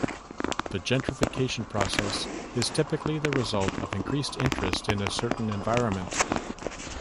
The gentrification process is typically the result of increased interest in a certain environment.